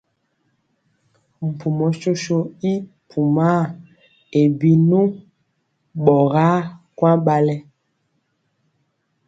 Mpumɔ soso i pumaa e binu ɓɔgaa kwaŋ ɓalɛ.